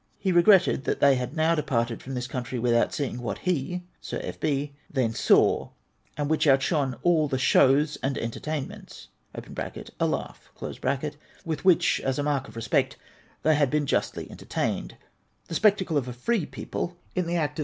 He regretted that they had now departed from this country witliout seeing what he (Sir F. B.) then saw, and which outshone all the shows and entertainments {a hmgh) with which, as a mark of respect, they had been justly en tertained — the specjtacle of a free people in the act of WESTMINSTER ELECTION.